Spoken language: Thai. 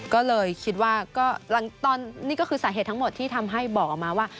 ก็เลยคิดว่าก็ตอนนี้ก็คือสาเหตุทั้งหมดที่ทำให้บอกออกมาว่า